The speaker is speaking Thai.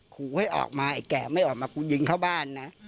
ขู่ให้ออกมาไอ้แกะไม่ออกมากูยิงเข้าบ้านนะ